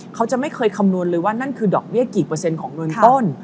เขาจะไม่เคยคำนวณเลยว่านั่นคือดอกเบี้ยกี่เปอร์เซ็นต์ของเงินต้น